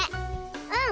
うん！